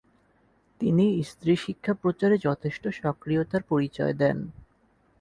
তিনি স্ত্রী শিক্ষা প্রচারে যথেষ্ট সক্রিয়তার পরিচয় দেন।